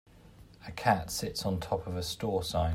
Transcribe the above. A cat sits on top of a store sign.